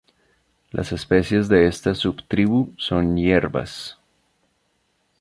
Las especies de esta subtribu son hierbas.